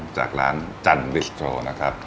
จากร้านจันบิสโทรนะครับ